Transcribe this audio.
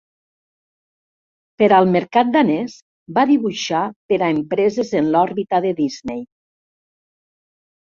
Per al mercat danès va dibuixar per a empreses en l'òrbita de Disney.